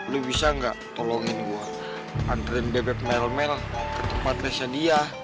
lu bisa enggak tolongin gue anterin beb beb mel mel ke tempat lesnya dia